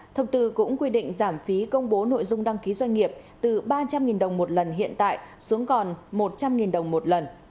thông tư cũng quy định giảm phí công bố nội dung đăng ký doanh nghiệp từ ba trăm linh đồng một lần hiện tại xuống còn một trăm linh đồng một lần